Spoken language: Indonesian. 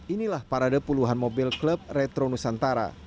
inilah parade puluhan mobil klub retro nusantara